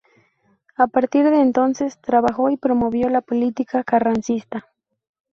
A partir de entonces, trabajó y promovió la política carrancista.